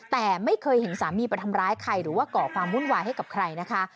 แต่ไม่เคยเห็นสามีไปทำร้ายใครหรือว่าก่อความวุ่นวายให้กับใครนะคะ